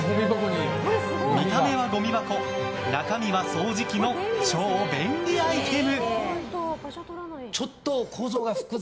見た目はごみ箱、中身は掃除機の超便利アイテム！